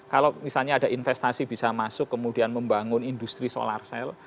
kalau misalnya ada investasi bisa masuk kemudian membangun industri solar cell